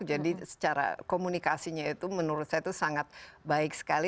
jadi secara komunikasinya itu menurut saya sangat baik sekali